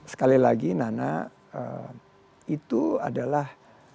sekali lagi nana itu adalah